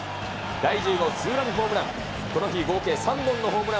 第１０号ツーランホームラン。